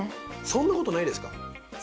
そんなことないです。